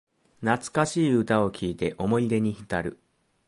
懐かしい歌を聴いて思い出にひたる